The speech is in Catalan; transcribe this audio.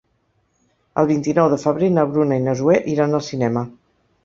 El vint-i-nou de febrer na Bruna i na Zoè iran al cinema.